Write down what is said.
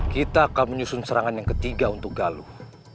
kita akan menyusun serangan yang ketiga untuk galuh